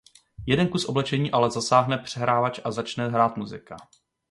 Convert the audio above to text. Jeden kus oblečení ale zasáhne přehrávač a začne hrát muzika.